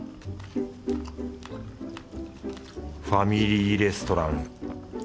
ファミリーレストラン。